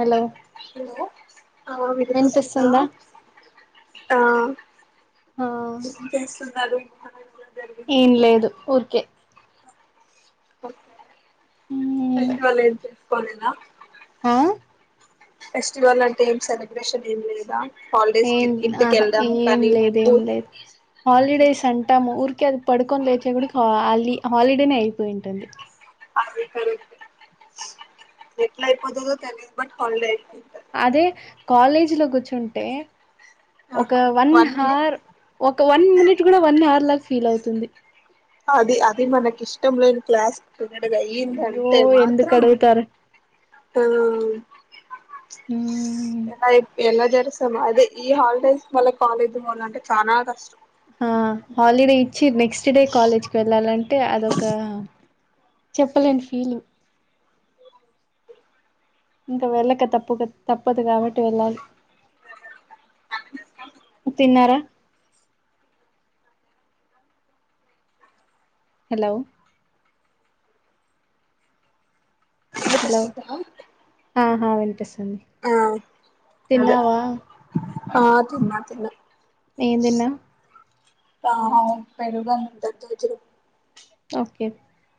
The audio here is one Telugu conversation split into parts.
హలో హలో ఆ వినిపిస్తుందా ఆ ఆ ఏం చేస్తున్నారు జరిగింది ఏం ఈ మధ్య? లేదు ఊరికే ఫెస్టివల్ ఏం చేసుకోలేదా ఆ ఫెస్టివల్ అంటే ఏం సెలబ్రేషన్ ఏం లేదా హాలిడేస్ కి ఏం ఇంటికి ఆహా వెళ్ళడం ఏం కానీ లేదు ఊ ఏం లేదు హాలిడేస్ అంటాము ఊరి పడుకొని లేచే కూడా హాలీ హాలిడేనే అయిపోయింటుంది అది కరెక్టే ఎట్లా అయిపోతాదో తెలీదు బట్ హాలిడే అదే కాలేజీ లో కూర్చుంటే ఒక వన్ హర్ ఒక వన్ మినిట్ కూడా వన్ హవర్ లా ఫీల్ అవుతుంది అది అది మనకి ఇష్టం లేని క్లాస్ తొందరగా అయింది అయ్యో అంటే ఎందుకు మాత్రం అడుగుతారు ఆ స ఎలా జరుస్తాము అదే ఈ హాలిడేస్ వాళ్ల కాలేజ్ పోవాలా అంటే చాలా కష్టం ఆ హాలిడే ఇచ్చి నెక్స్ట్ డే కాలేజ్కి వెళ్ళాలంటే అదొక చెప్పలేని ఫీలింగ్ ఇంకా వెళ్ళక తప్పుక తప్పదు కాబట్టి వెళ్ళాలి తిన్నారా హలో హలో వినిపిస్తుందా ఆహా వినిపిస్తుది ఆ అదే తిన్నావా ఆ తిన్నా తిన్నా ఏం తిన్న ఆ పెరుగు అన్నం కే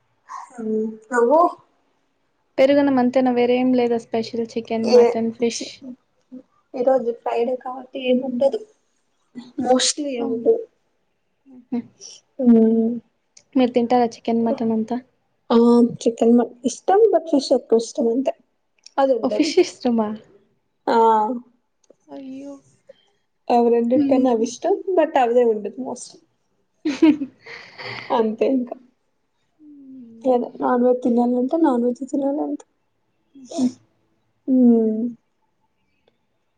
నువ్వు పెరుగు అన్నం అంతేనా వేరే ఏం లేదు స్పెషల్ చికెన్, మటన్, ఫిష్ ఈరోజు ఫ్రైడే కాబట్టి ఏమి ఉండదు మోస్ట్లీ ఏముండదు మీరు తింటారా చికెన్, మటన్ అంత ఆ చికెన్ ఇష్టం బట్ ఫిష్ ఎక్కువ ఇష్టం అంతే ఓ అదుండది ఫిష్ ఇష్టమా ఆ అయ్యో అవి రెండిటి కన్నా అవి ఇష్టం బట్ అదే ఉండిద్ది మోస్ట్లీ [unintelligible] అంతే ఇంకా లేదా నాన్ వెజ్ తినాలంటే నాన్ వెజ్ తినాలి అంతే ఉమ్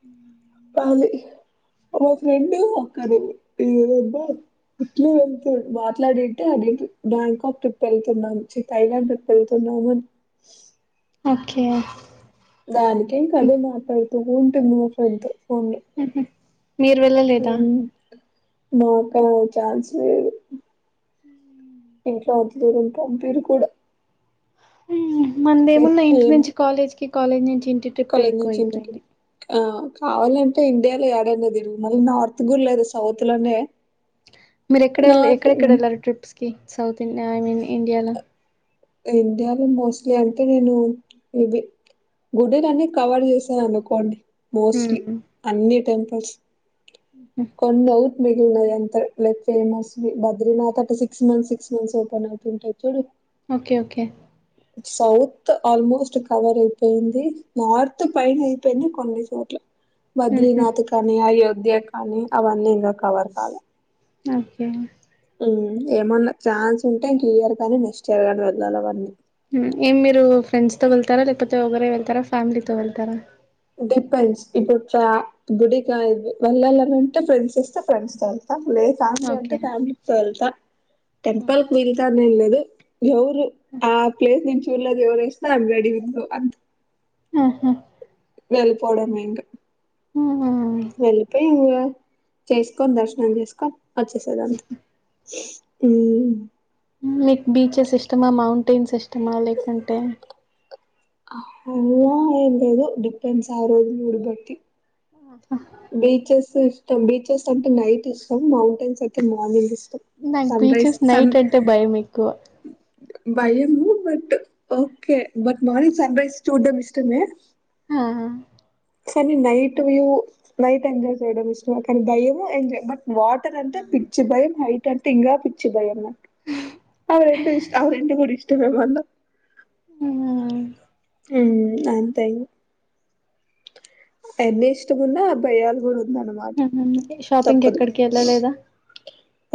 ఉ పాలి ఒక ఫ్రెం ఒక్కరు ఇ రబ్బ ఇట్లు వెళ్తు మాట్లాడింటే అది బ్యాంకాక్ ట్రిప్ వెళ్తున్నాం థైలాండ్ ట్రిప్ వెళ్తున్నాం బాగున్ ఓక్కే దానికేం కదే మాట్లాడుతు ఉంటుది మా ఫ్రెండ్తో ఫోన్లో మీరు వెళ్ళలేదా మాకా ఛాన్స్ ఇంట్లో అంత దూరం పంపీరు కూడ మనదె మన్నా ఇంటి ఏమో నుంచి కాలేజ్ కి కాలేజ్ నుంచి ఇంటిక్ ట్రిప్పె కాలేజ్ ఎక్కువ నుంచి ఇంటికి అయిపోయింది ఆ కావాలంటే ఇండియాలో ఏడన్న తిరుగు మళ్ళీ నార్త్ గుర లేదు సౌత్ లోనే మీరు ఎక్కడళ్ నార్త్ ఎక్కడెక్కడ హ్మ్ వెళ్ళారు ట్రిప్స్ కి సౌత్ండి ఐ మీన్ ఇండియాలో ఇండియాలో మోస్ట్లీ అంటే నేను ఇది గుడిలన్నీ కవర్ చేశా అనుకోండి మోస్ట్లీ అన్ని టెంపుల్స్ కొన్ని అవు మియి అంత లైక్ ఫేమస్ బద్రీనాథ అట six months six months open అవుతుంటాయి చూడు okay okay south almost cover అయిపోయింది నార్త్ పైన అయిపోయింది కొన్ని చోట్ల బద్రీనాథ్ కానీ అయోధ్య కానీ అవన్నీ ఇంక కవర్ కాాల ఓకే ఏమన్నా ఛాన్స్ ఉంటే ఇంక ఇయర్ కానీ నెక్స్ట్ ఇయర్ కాని వెళ్లాలివన్నీ ఏం మీరు ఫ్రెండ్స్ తో వెళ్తార లేపోతే ఒకరే వెళ్తార ఫ్యామిలీతో వెళ్తారా డిపెన్స్ ఇబట్రా గుడికా వెల్లాలని ఉంటె అంట ఫ్రెండ్స్ వస్తె ఫ్రెండ్స్ తో వెల్తా లే ఫ్యామిలీ ఓకే అంటే ఫ్యామిలీతో వెళ్తా టెంపుల్ క వెళ్తానే లేదు ఎవరు ఆ ప్లేస్ నేన్ చూడలేదు ఎవరు వస్తె అ యామ్ రెడీ ఇంగ్ ఆహ వెళ్లి పో వడమె ఇంకా వెళ్లిపోయి ఇ చేస్కోని దర్శనం చేసుకో వచ్చే సెదాన్ని అంత మీకు బీచెస్ ఇష్టమా మౌంటైన్స్ ఇష్టమా లేకుంటే అల ఏమ్ లేదు డిఫెన్స్ ఆ రోజు మూడు బట్టి ఆ బీచెస్ ఇష్టం బీచెస్ అంటే నైట్ ఇష్టం మౌంటైన్స్ అయితె మార్నింగ్ ఇష్టం నా క్ sunrise beaches sun night అంటే భయం ఎక్కువ భయము but okay but morning sunrise చూడ్డండం ఇష్టమే అహ కానీ నైట్ వ్యూ నైట్ ఎంజాయ్ చేయడం ఇష్టమా కానీ భయము ఎంజాయ్ బట్ వాటర్ అంటే పిచ్చి భయం హైట్ అంటే ఇంకా పిచ్చి భయం అ రెండు ఇష్టం అవి రెండు కూడ ఇష్టమే మళ్ళ ఉ అంతయి ఎంత ఇష్టమున్న భయాలు కూడా ఉందన్నమాట ఉహు షాపింగ్ కి ఎక్కడికి వెళ్ళలేదా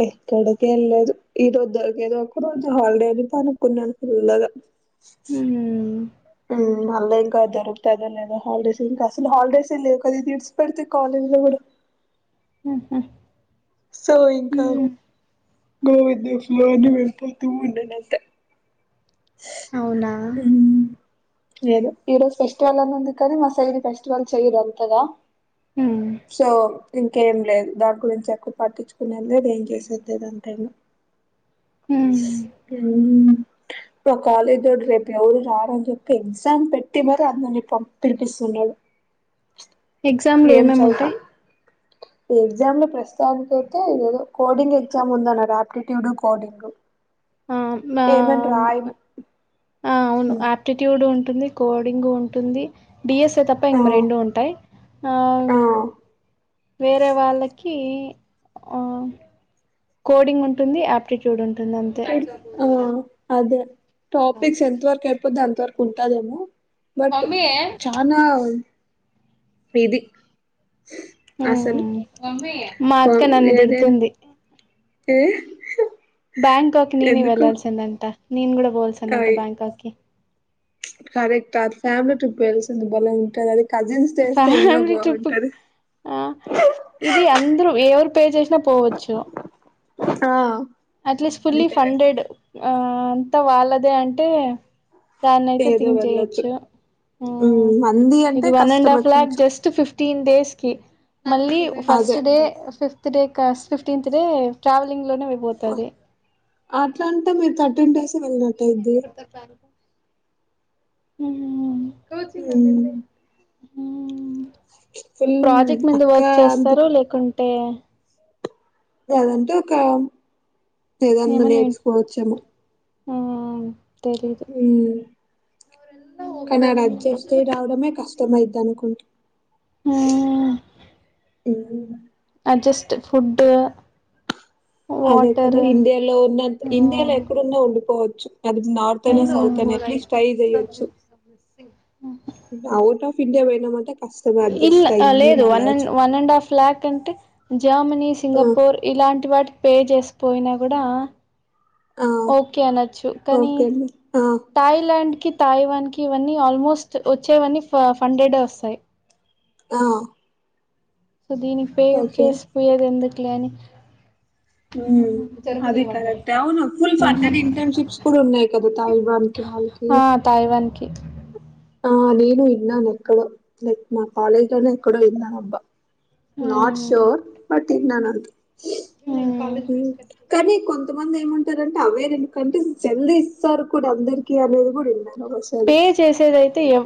ఎక్కడిక వెళ్లదు ఈ రోజు దొరిగేది ఒక రోజు హాలిడే అని పనుకున్నాను ఫుల్లగా హు అల్ా ఇంకా దొకుతుదో లేదో హాలిడేస్ ఇంక అసలు హాలిడేస్ లేవు ఇంక ఇది ఇడిసి పెడితే కాలేజ్ ఇక ఇవ్వడు ఉహ్ సో ఇంకా గోవిద్యేశలో అని వెళ్ళపోతూ ఉన్నానుంత [unintelligible] అవునా లేదు ఈ రోజు ఫెస్టివల్ అని ఉంది కదనీ మా సైలి ఫెస్టివల్ చెయదు కదా సో ఇంకేం లేదు దాని గురించి పట్టించుకునేళ అది ఏం చేసొద్దద అంటేను హు ఇ కాలేజ్ దోడ రేపు ఎవరు రారాంచేప్ ఎక్సామ్ పెట్టి మ అందని పం పినిపిస్తున్నాడు [unintelligible] ఆ ఎగ్జామ్లు ఏమేమి చదువుతా ఉంటాయి ఎగ్జామ్ లో ప్రశ్న దానికైతే కోడింగ్ ఎగ్జానికి అయితే ఏదో కోడింగ్ ఎగ్జామ్ ఉందన్నారు యాప్టిట్యూడు కోడింగ్ ఆ ఏమని మామ్ రాయము అవును మ్మ్. ఆయాప్టిట్యూడ్ ఉంటుంది కోడింగ్ ఉంటుంది డిఎస్ఏ తప్ప ఆ ఇంకా రెండు ఉంటాయి ఆ వేరే వాళ్ళకి అ కోడింగ్ ఉంటుంది అప్లి చూడంటుంది అంతే ఇక్కడ ఆ అదే టాపిక్స్ ఎంత వరకు అయిపోది అంత వరకు ఉంటాదేమో బట్ చనా విది అసలు హ్మ్ మా పో అక్క నన్ను ఏదనా తిడుతుంది ఏ [unintelligible] బ్యాంకాక్ ననే ఎందుకు వెళ్లాల్సిందంటా నేను కూడా పోవల్సిందంట అయి బ్యాంకాక్ కి కరెక్ట్ అది ఫ్యామిలి ట్రిప్ వెల్సి బలే ఉంటది అది స్ చేస్తే ఇంకా ఫ్యామిలీ ట్రిప్ బాగుంటది ఆ ఇది అందరు ఎవరు పే చేసినా పోవచ్చు ఆ అట్లీస్ట్ అది ఫుల్లీ కరెక్ట్ ఫండెడ్ ఆ అంతా వాళ్ళదే అంటే దాన్ని అయితే ఏదో థింక్ వెళ్ళొచ్చు చేయొచ్చు ఉమ్, మంది అంటే ఇది వన్ అండ్ కష్టమే హఫ్ లక్ కొంచెం జస్ట్ ఫిఫ్ ఫిఫ్టీన్ డేస్కి మళ్ళీ అదే ఫస్ట్ డే ఫిఫ్త్ డే క ఫిఫ్టీన్త్ డే ట్రావెలింగ్ లోనే అయిపోతది అట్లా అంటే మీరు థర్టీన్ డేస్ వెళ్ళినట్ట ఇది కోచింగ్ అద ఎ [unintelligible] ఫుల్ ప్రాజెక్ట్ మీద అక్క వర్క్ అంత చేస్తారు లేకుంటే లేదంటే ఒక ఏదన్నా నేర్చుకోవచ్చాము ఉ ఉ ఉ కానీ ఆడ అజస్ట్ అయి రావడమే కష్టమ అైది అనుకుంటా మ్మ్ ఉహు అజెస్ట్ ఫుడ్ అదే కదా వాటర్ ఇండియాలో ఉన్న ఇండియాలో ఆ ఎక్కడున్నా ఉండిపోవచ్చు అది నార్త్ అనే సౌత్ అ ఎలీస్ట్ ఫైవ్ టైయచ్చు [inaudible] ఆఫ్ ఇండియా పోయినా అంటే కష్టంగా అడ్జస్ట్ అయ్యి లేదు వన్ మళ్ళచ్చ and one and half lakh అంటే జర్మనీ సింగపూర్ ఇలాంటి వాటి పే చేసికపోయినా కూడా ఆ ఓకే అనొచ్చు కానీ ఓకే అండి ఆ థాయి్లా్యాండ్ ి తాయివాన్ కి ఇవన్నీ ఆల్మోస్ట్ వచ్చేవన్నీ హండ్రెడ్ే వస్తాయి ఆ సో దీనికి పేవ్ ఓకే చేసిపోయేది ఎందుకులే అని అది కరెక్ట్ అవును ఫుల్ ఆహా ఫండెడ్ ఇంటర్న్షిప్స్ కూడా ఉన్నాయి కదా తాలిబాన్ కి వాళ్ళకి ఆ తాయివాన్ కి ఆ నేను విన్నాను ఎక్కడో మా కాలేజ్లోనే ఎక్కడో విన్నానబ్బా నాట్ షోర్ బట్ విన్నాను అంతే మ్ కనీ కొంత్ కొంతమంది ఏమంటరంటే అవే ర ఎందుకంటే జల్లి ఇస్తారు కూడా అందరికి అనేది కూడా విన్న పే చేసేదైతే ఎ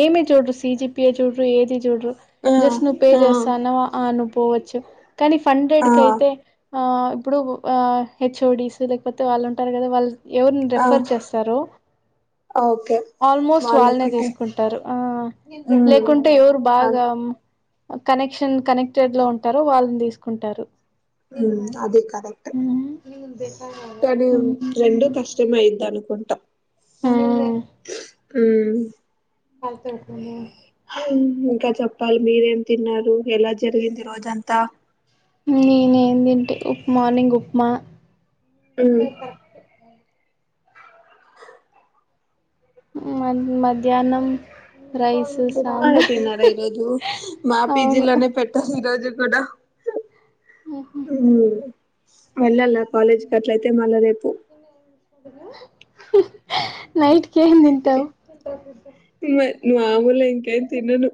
ఏమి చూడరు సిజిపిఏ చూడరు ఏది చూడ్రు ఆ జస్ట్ నువ్వు పే ఆ చేస్తానవా అ నువ్ పోవచ్చు కానీ ఫండ్రెడ్ ఆ కై తే ఆ ఇప్పుడు ఆ హెచ్ఓడిస్ లేకపోతే వాళ్ళు ఉంటారు కదా వాళ్ ఎవరిని రెఫర్ ఆ చేస్తారో ఓకే ఆల్మోస్ట్ వాళ్ళు వాళ్ళనే ఒకటే తీసుకుంటారు ఉమ్ లేకుంటే ఎవరు అది బాగా కనెక్షన్ కనెక్టెడ్ లో ఉంటారో వాళ్ళని తీసుకుంటారు ఉమ్ అది కరెక్ట్ మ్ కానీ మ్ రెండు హు కష్టమే అయిద్ది అనుకుంటా మ్ మ్ అంత అయిపోయినాయ ఇంకా చెప్పాలి మీరేం తిన్నారు ఎలా జరిగింది రోజంతా నేనెం తింటే ఉప్మా మార్నింగ్ ఉప్మా మ్ మల్ మధ్యాహ్నం రైస్ ఉప్మా సాంబార్ తిన్నర ఈ రోజు మా అవును పీజిలోనే పెట్టారు ఈరోోజు కుడా మ్ వెళ్ళాల్నా కాలేజ్ అట్లయితే మళ్ల నైట్ కేంతింటావ్ మ ఆములే ఇంకేం తినను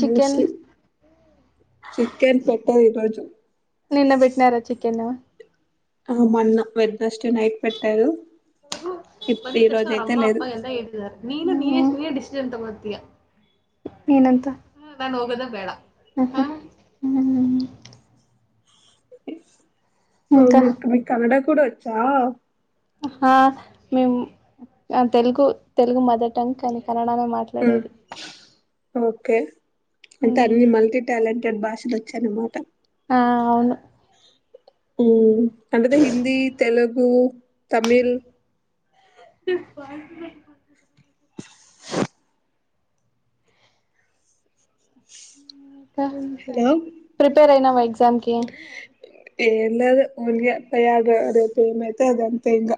చికెన్ మోస్ట్లీ చికెన్ పెట్టది ఈ రోజు కేనా ఆ మొన్న వెడ్నస్ డే నైట్ పెట్టారు ఇప్పుడు మల్లి ఈ రోజు తెచ్చినారు అయితే అమ్మ లేదు అప్ప ఎంటిదరూ నిను నినేే నినే డిసిజన్ అంత మధ్య నినొద్ద మ్ ద నువ్ ఒకటే తెడ మ్ ఓ ఇంకా మిక్ మీకు కనడా కూడా వచ్చా ఆ మేము తెలుగు తెలుగు మదర్ టంగ్ కానీ కనడనే ఉమ్, మాట్లాడేది ఓకే అంటే అన్ని మల్టీ టాలెంటెడ్ భాషలు వచ్చన్నమాట ఆ అవును మ్ అంటేది హిందీ తెలుగు తమిళ్ బ ఇంకా హలో ప్రిపేర్ అయినావా ఎగ్జామ్కి ఏం లేదు ఒల్గే పయాగ్ రేపేమైతే అదంతే ఇంగ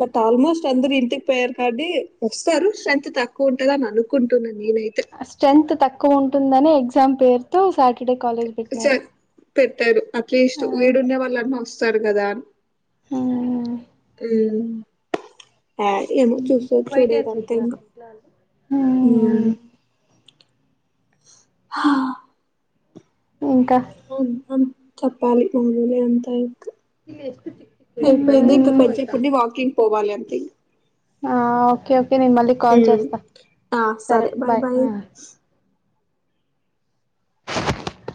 బట్ ఆల్మోస్ట్ అందరు ఇంటికి పొయారు కాబట్టి వస్తారు స్ట్రెంత్ తక్కువ ఉంటదని అనుకుంటున్నా నేనైతే స్ట్రెంగ్త్ తక్కువ ఉంటుందని ఎగ్జామ్ పేరుతో సాటర్డే కాలేజ్ పెట్నారు పెట్టాడు అట్లీస్ట్ వీడున్న వాళ్ళన్న వస్తారు కదా మ్మ్ ఆ ఏమో చూసే చూడేదంతేన్ మ్మ్ హా ఇంక అన్ అన్ చెప్పాలి అన్గులే అంతే అయిపొయింది ఇంక కొంచేపుండి వాకింగ్ పోవాలి అంతే ఆ ఓకే ఓకే నేను మళ్ళీ కాల్ ఉమ్ చేస్తా సరే బాయ్